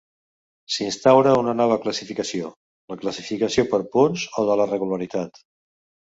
S'instaura una nova classificació: la classificació per punts o de la regularitat.